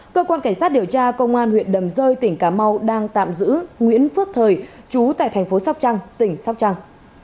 cơ quan cảnh sát điều tra công an huyện đầm rơi tỉnh cà mau đang tạm giữ nguyễn phước thời chú tại thành phố sóc trăng tỉnh sóc trăng